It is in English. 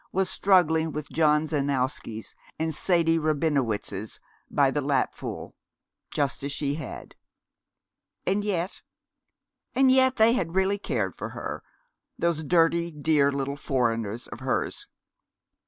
was struggling with John Zanowskis and Sadie Rabinowitzes by the lapful, just as she had. And yet and yet they had really cared for her, those dirty, dear little foreigners of hers.